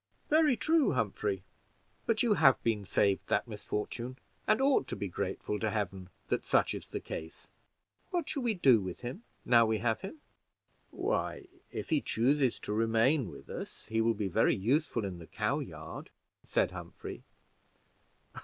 "Very true, Humphrey; but you have been saved that misfortune, and ought to be grateful to Heaven that such is the case. What shall we do with him now we have him?" "Why if he chooses to remain with us, he will be very useful in the cow yard," said Humphrey.